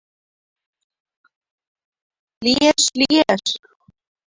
— Лиеш, лиеш...